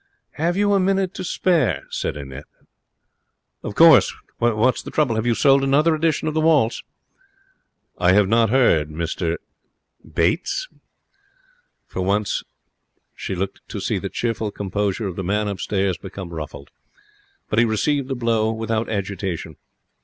'Have you a minute to spare?' said Annette. 'Of course. What's the trouble? Have they sold another edition of the waltz?' 'I have not heard, Mr Bates.' For once she looked to see the cheerful composure of the man upstairs become ruffled; but he received the blow without agitation.